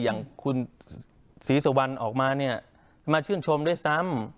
อย่างคุณศรีสุวรรณออกมาเนี่ยมาชื่นชมด้วยซ้ำ